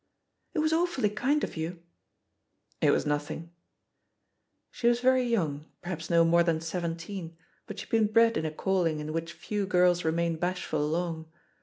It was awfully kind of you." "It was nothing." She was very young, perhaps no more than seventeen, but she had been bred in a calling in which few girls remain bashful long.